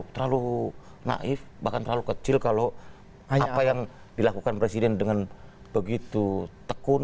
terlalu naif bahkan terlalu kecil kalau apa yang dilakukan presiden dengan begitu tekun